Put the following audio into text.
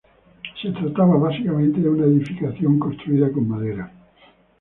Se trataba básicamente de una edificación construida con madera.